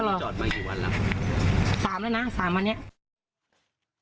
สามแล้วนะสามวันนี้